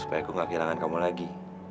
supaya aku gak kehilangan kamu lagi